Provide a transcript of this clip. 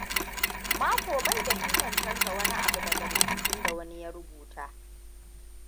Marco bai da ikon canza wani abu daga rubutun da wani ya rubuta.